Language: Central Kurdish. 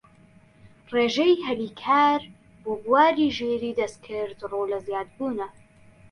ڕێژەی هەلی کار بۆ بواری ژیریی دەستکرد ڕوو لە زیادبوونە